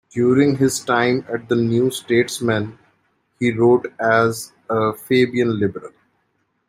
During his time at the "New Statesman" he wrote as a "Fabian liberal".